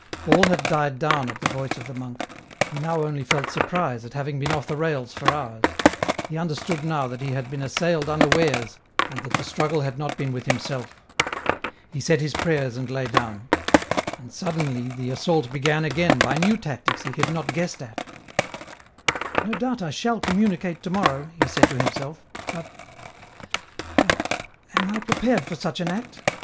All had died down at the voice of the monk ; he now only felt surprise at having been off the rails for hours ; he understood now that he had been assailed unawares and that the struggle had not been with himself. He said his prayers and lay down. And, suddenly, the assault began again by new tactics he had not guessed at. " No doubt I shall communicate to morrow," he said to himself ;'' but ... but ... am I prepared for such an act